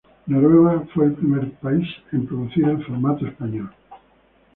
Noruega fue el primer país en producir el formato español.